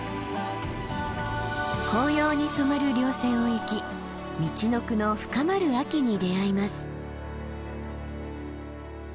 紅葉に染まる稜線を行きみちのくの深まる秋に出会います。